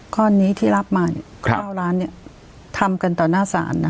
ข้อนี้ที่รับมาเก้าร้านเนี่ยทำกันต่อหน้าศาลนะคะ